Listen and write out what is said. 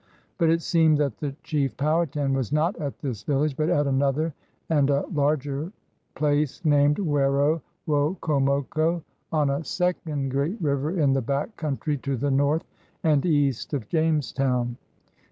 But it seemed that the chief Powhatan was not at this village but at another and a larger place named Werowooomoco, on a second great river in the back country to the north and east of Jamestown.